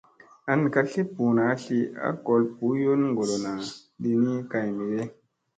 An ka tli ɓuu naa tli a gol ɓuyun goolona di ni kay mege ?